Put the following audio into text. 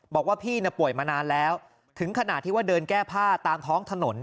บอกว่าพี่ป่วยมานานแล้วถึงขนาดที่ว่าเดินแก้ผ้าตามท้องถนน